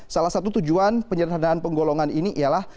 salah satu tujuan penyertaan listrik ini adalah untuk menghasilkan keuangan